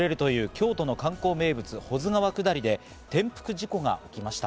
京都の観光名物の保津川下りで死亡事故が起きました。